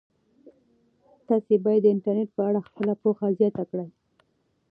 تاسي باید د انټرنيټ په اړه خپله پوهه زیاته کړئ.